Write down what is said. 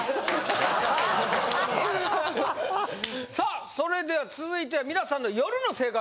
さあそれでは続いては皆さんの夜の生活